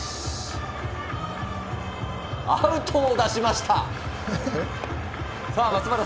アウトを出しました。